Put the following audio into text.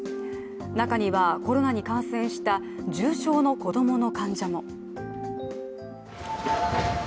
中にはコロナに感染した重症の子供の患者も。